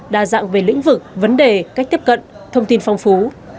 đa dạng về lĩnh vực vấn đề cách tiếp cận thông tin phong phú